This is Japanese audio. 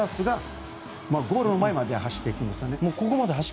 ゴール前まで走っていくんですよね。